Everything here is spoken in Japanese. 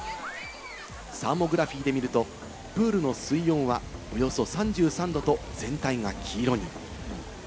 サーモグラフィーで見ると、プールの水温はおよそ３３度と全体が黄色に。